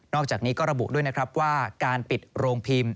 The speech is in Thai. อกจากนี้ก็ระบุด้วยนะครับว่าการปิดโรงพิมพ์